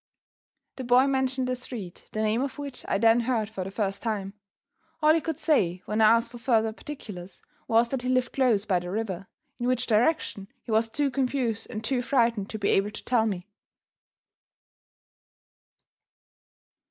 The boy mentioned a street, the name of which I then heard for the first time. All he could say, when I asked for further particulars, was that he lived close by the river in which direction, he was too confused and too frightened to be able to tell me.